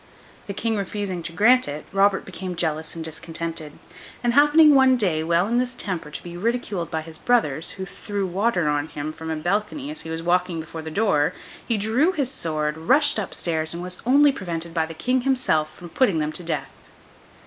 The King refusing to grant it, Robert became jealous and discontented; and happening one day, while in this temper, to be ridiculed by his brothers, who threw water on him from a balcony as he was walking before the door, he drew his sword, rushed up stairs, and was only prevented by the King himself from putting them to death.